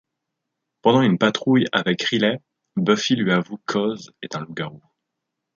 Pendant une patrouille avec Riley, Buffy lui avoue qu'Oz est un loup-garou.